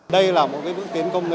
đây là một bước tiến công nghệ